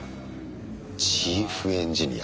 チーフエンジニア。